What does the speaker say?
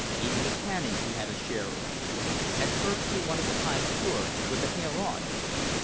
Even the tanning he had a share in. At first he wanted the hide cured, "with the hair on."